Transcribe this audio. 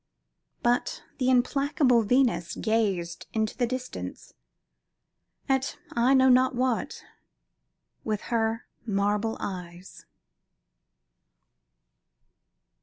But the implacable Venus gazed into the distance, at I know not what, with her marble eyes.